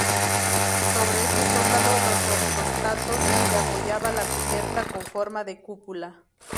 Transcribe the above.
Sobre este zócalo de ortostatos se apoyaba la cubierta, con forma de cúpula.